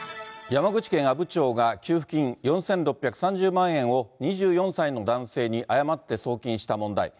山口県阿武町が給付金４６３０万円を、２４歳の男性に誤って送金した問題。